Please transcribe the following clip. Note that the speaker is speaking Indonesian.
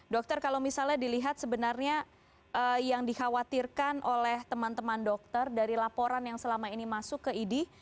dokter kalau misalnya dilihat sebenarnya yang dikhawatirkan oleh teman teman dokter dari laporan yang selama ini masuk ke idi